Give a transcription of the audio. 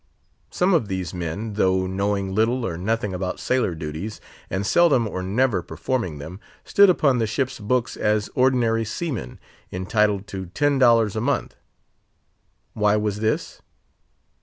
Some of these men, though knowing little or nothing about sailor duties, and seldom or never performing them, stood upon the ship's books as ordinary seamen, entitled to ten dollars a month. Why was this?